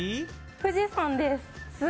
富士山です。